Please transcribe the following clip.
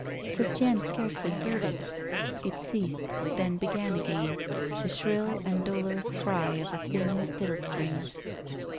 Christiane scarcely heard it. It ceased, then began again the shrill and dolorous cry of the thin fiddlestrings.